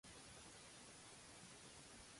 —Què sembres? —Llavor de filferro.